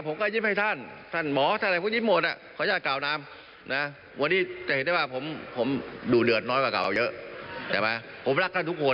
ผมรักกับทุกคนนั่นแหละ